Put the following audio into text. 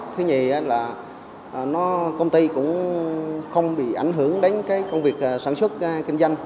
thứ hai là nó đi cũng không bị ảnh hưởng đến cái công việc sản xuất kiến danh